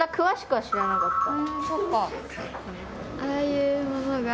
ああいうものが